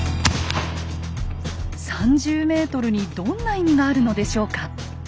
３０ｍにどんな意味があるのでしょうか？